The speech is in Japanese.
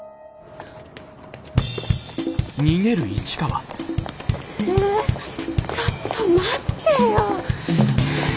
ちょっと待ってよ。